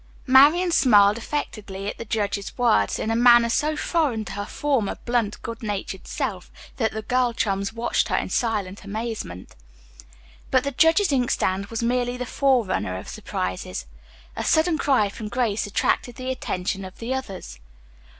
Marian smiled affectedly at the judge's words, in a manner so foreign to her former, blunt, good natured self, that the girl chums watched her in silent amazement. But the judge's inkstand was merely the fore runner of surprises. A sudden cry from Grace attracted the attention of the others.